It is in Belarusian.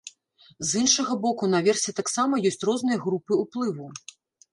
З іншага боку, наверсе таксама ёсць розныя групы ўплыву.